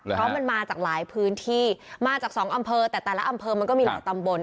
เพราะมันมาจากหลายพื้นที่มาจากสองอำเภอแต่แต่ละอำเภอมันก็มีหลายตำบล